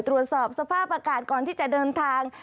ตรวจสอบสภาพอากาศก่อนที่จะเดินทาง